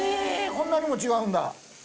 こんなにも違うんだ！